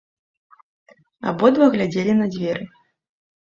Абодва глядзелі на дзверы.